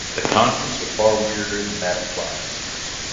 But the contents are far weirder than that implies.